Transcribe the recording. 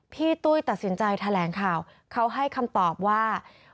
ตุ้ยตัดสินใจแถลงข่าวเขาให้คำตอบว่า